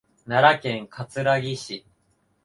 奈良県葛城市